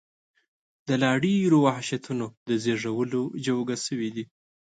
د لا ډېرو وحشتونو د زېږولو جوګه شوي دي.